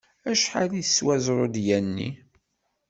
Acḥal teswa zrudya-nni?